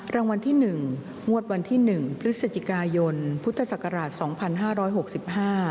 รางวัลที่หนึ่งงวดวันที่หนึ่งพฤศจิกายนพุทธศักราช๒๕๖๕